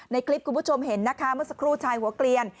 ในคลิปคุณผู้ชมเห็นนะคะเมื่อสักครู่ชายหัวเกลียน